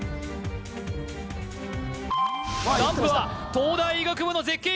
ランプは東大医学部の絶景